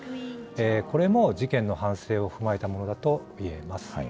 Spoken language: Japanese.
これも事件の反省を踏まえたものだといえます。